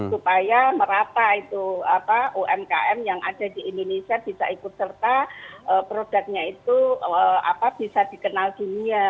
supaya merata itu umkm yang ada di indonesia bisa ikut serta produknya itu bisa dikenal dunia